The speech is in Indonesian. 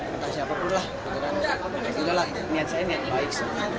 maka siapapun lah itu adalah niat saya niat baik